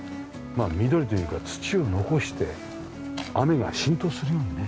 まあ緑というか土を残して雨が浸透するようにね。